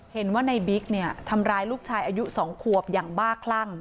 เห็นว่าในบิ๊กเนี่ยทำร้ายลูกชายอายุ๒ขวบอย่างบ้าคลั่ง